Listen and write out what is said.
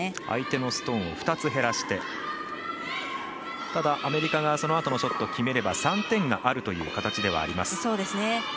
相手のストーンを２つ減らしてただ、アメリカがそのあとのショットを決めれば３点があるという形ではあります。